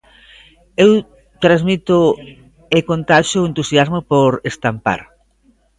Eu transmito e contaxio o entusiasmo por estampar.